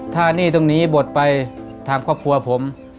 ถ้าหนี้ตรงนี้บทไปทางครอบครัวผม